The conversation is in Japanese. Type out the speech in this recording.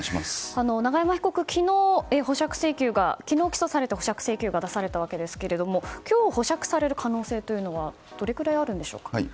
永山被告、昨日起訴されて保釈請求が出されたわけですが今日、保釈される可能性はどれぐらいあるんでしょうか。